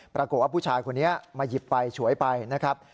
ปรากฏว่าผู้ชายคนนี้มาหยิบไปฉวยไปนะครับ